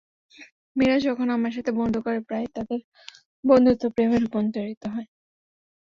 মেয়েরা যখন আমার সাথে বন্ধুত্ব করে, প্রায়ই তাদের বন্ধুত্ব প্রেমে রূপান্তরিত হয়।